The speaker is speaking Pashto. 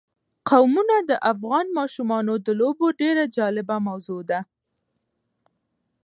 قومونه د افغان ماشومانو د لوبو یوه ډېره جالبه موضوع ده.